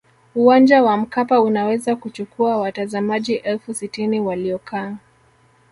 uwanja wa mkapa unaweza kuchukua watazamaji elfu sitini waliokaa